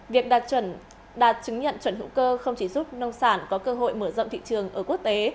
việc đạt chứng nhận chuẩn hữu cơ không chỉ giúp nông sản có cơ hội mở rộng thị trường ở quốc tế